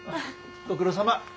ご苦労さま。